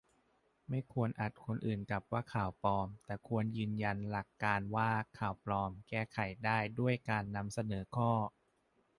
ไม่ควรอัดคนอื่นกลับว่า "ข่าวปลอม" แต่ควรยืนยันหลักการว่า ข่าวปลอมแก้ไขได้ด้วยการนำเสนอข้อ